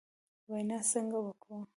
وینا څنګه وکړو ؟